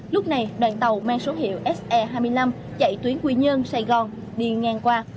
lúc này đoàn tàu mang số hiệu se hai mươi năm chạy tuyến quy nhơn sài gòn đi ngang qua